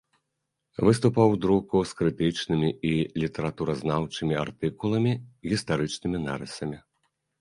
Выступаў у друку з крытычнымі і літаратуразнаўчымі артыкуламі, гістарычнымі нарысамі.